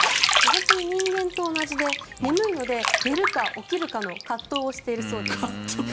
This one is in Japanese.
本当に人間と同じで眠いので寝るか起きるかの葛藤をしているそうです。